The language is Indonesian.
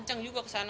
kenceng juga kesana